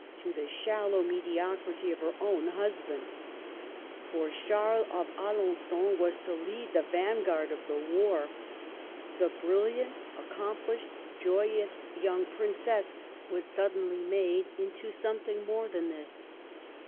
to the shallow mediocrity of her own husband. For Charles of Alengon was to lead the van guard of the war. The brilliant, accomplished, joyous young princess was suddenly made into something more than this.